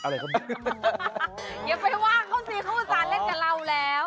อย่าไปว่างเขาสิเขาอุตส่านเล่นกับเราแล้ว